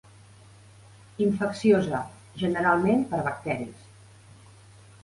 Infecciosa, generalment per bacteris.